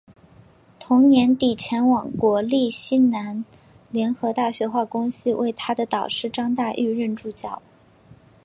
同年底前往国立西南联合大学化工系为他的导师张大煜任助教。